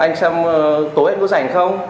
anh xem tối anh có rảnh không